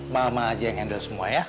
mama aja yang handle semua ya